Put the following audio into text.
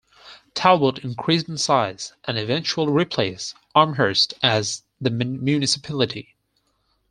Talbot increased in size and eventually replaced Amherst as the municipality.